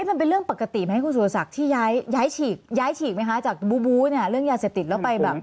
มันเป็นเรื่องปกติไหมคุณสุรศักดิ์ที่ย้ายฉีกย้ายฉีกไหมคะจากบูบูเนี่ยเรื่องยาเสพติดแล้วไปแบบ